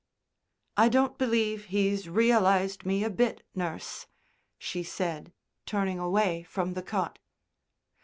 "I don't believe he's realised me a bit, nurse," she said, turning away from the cot.